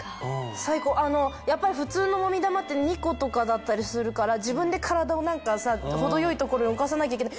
最高やっぱり普通のもみ玉って２個とかだったりするから自分で体を何かさ程よい所に動かさなきゃいけない。